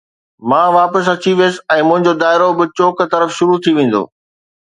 مان واپس اچي ويس ۽ منهنجو دائرو به چوڪ طرف شروع ٿي ويندو